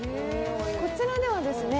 こちらではですね